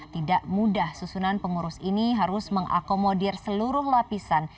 tidak mudah susunan pengurus ini harus mengakomodir seluruh lapisan